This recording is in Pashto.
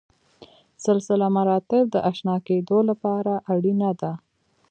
سلسله مراتب د اشنا کېدو لپاره اړینه ده.